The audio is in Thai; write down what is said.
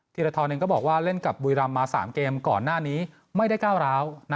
ธรทรเองก็บอกว่าเล่นกับบุรีรำมา๓เกมก่อนหน้านี้ไม่ได้ก้าวร้าว